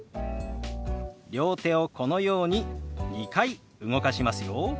両手をこのように２回動かしますよ。